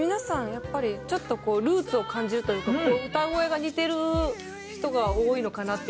やっぱりちょっとこうルーツを感じるというか歌声が似てる人が多いのかなっていう風に感じました。